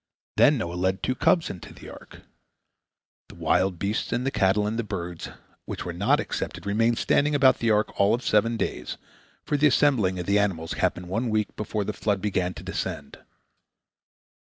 Then Noah led the two cubs into the ark. The wild beasts, and the cattle, and the birds which were not accepted remained standing about the ark all of seven days, for the assembling of the animals happened one week before the flood began to descend.